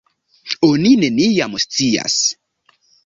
Oni neniam scias.